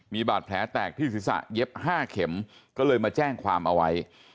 มีบาดแผลแตกที่ศีรษะเย็บ๕เข็มก็เลยมาแจ้งความเอาไว้